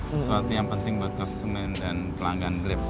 sesuatu yang penting buat konsumen dan pelanggan blip